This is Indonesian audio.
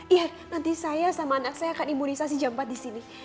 iya nanti saya sama anak saya akan imunisasi jam empat di sini